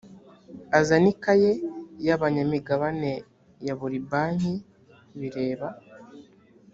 azane ikaye y’abanyamigabane ya buri banki bireba